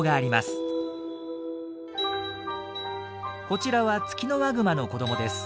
こちらはツキノワグマの子どもです。